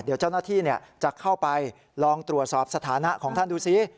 เดี๋ยวเจ้าหน้าที่จะเข้าไปลองตรวจสอบสถานะของท่านดูซิ